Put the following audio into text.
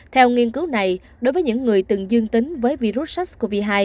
theo nghiên cứu này đối với những người từng dương tính với virus sars cov hai